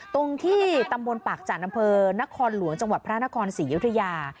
ตรงที่ตำบลปากจันทร์อำเภอนครหลวงจังหวัดพระนครศรียุธยา